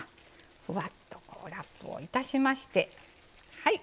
ふわっとこうラップをいたしましてはい